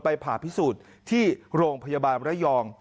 ผ่าพิสูจน์ที่โรงพยาบาลระยอง